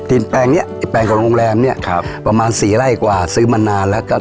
แปลงเนี้ยไอ้แปลงของโรงแรมเนี้ยครับประมาณสี่ไร่กว่าซื้อมานานแล้วก็